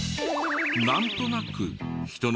なんとなくああ！